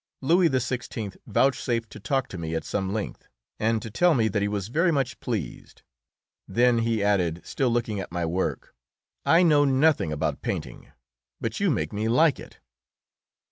Louis XVI. vouchsafed to talk to me at some length and to tell me that he was very much pleased. Then he added, still looking at my work, "I know nothing about painting, but you make me like it."